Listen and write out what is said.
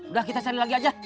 udah kita cari lagi aja